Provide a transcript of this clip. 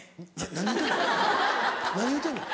何言うてんの？